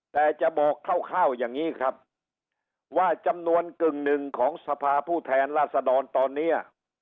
แต่จะบอกคร่าวอย่างนี้ครับว่าจำนวนกึ่งหนึ่งของสภาผู้แทนราษฎรตอนนี้